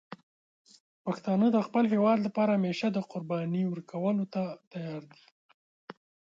پښتانه د خپل هېواد لپاره همیشه د قربانی ورکولو ته تیار دي.